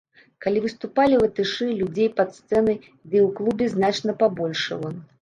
Калі выступалі латышы людзей пад сцэнай, ды і ў клубе, значна пабольшала.